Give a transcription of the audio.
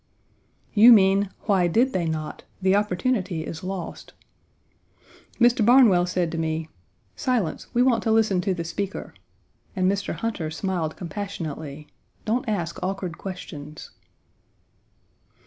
"You mean why did they not; the opportunity is lost." Mr. Barnwell said to me: "Silence, we want to listen to the speaker," and Mr. Hunter smiled compassionately, "Don't ask awkward questions."